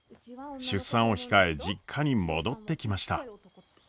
出産を控え実家に戻ってきました。